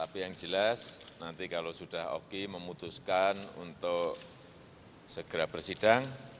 tapi yang jelas nanti kalau sudah oki memutuskan untuk segera bersidang